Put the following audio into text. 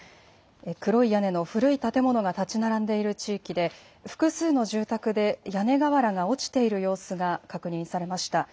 黒い屋根の古い建物が建ち並んでいる地域で、複数の住宅で屋根瓦が落ちている様子が確認されました。